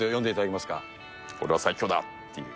オレは最強だ！っていう。